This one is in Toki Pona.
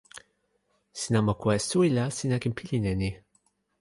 sina moku e suwi la sina ken pilin e ni.